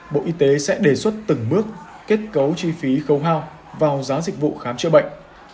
bộ y tế sẽ đề xuất từng bước kết cấu chi phí khấu hao vào giá dịch vụ khám chữa bệnh